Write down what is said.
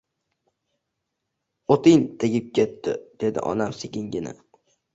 O‘tin tegib ketdi, – dedi onam sekingina.